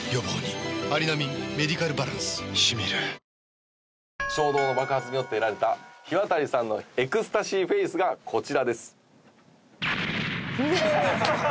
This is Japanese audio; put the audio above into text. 「さわやかパッド」衝動の爆発によって得られたひわたりさんのエクスタシーフェイスがこちらです。